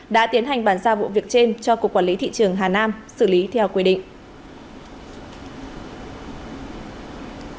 đã tiến hành bàn xa vụ việc trên cho cục quản lý thị trường hà nam xử lý theo quy định